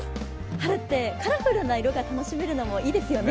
春ってカラフルな色が楽しめるのもいいですよね。